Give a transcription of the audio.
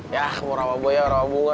yah mau rawabuaya rawabunga